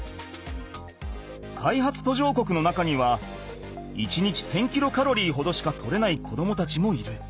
開発途上国の中には１日１，０００キロカロリーほどしか取れない子どもたちもいる。